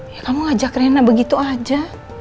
ya kamu ngajak rena begitu aja